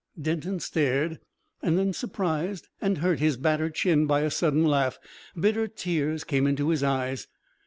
Denton stared, and then surprised and hurt his battered chin by a sudden laugh. Bitter tears came into his eyes.